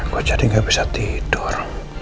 gue jadi gak bisa tidur